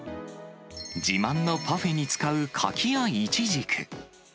自慢のパフェに使う柿やイチジク。